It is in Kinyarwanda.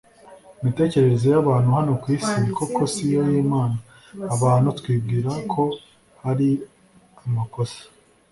imitekerereze y'abantu hano ku isi, koko siyo y'imana ! abantu twibwira ko hari amakosa